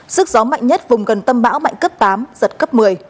sức gió mạnh nhất vùng gần tâm bão mạnh cấp tám giật cấp một mươi